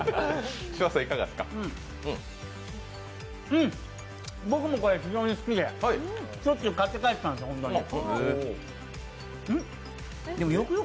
うん、僕もこれ非常に好きでしょっちゅう買って帰ってたんですよ、本当に。